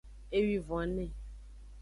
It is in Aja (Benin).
Ewivone.